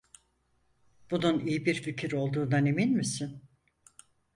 Bunun iyi bir fikir olduğundan emin misin?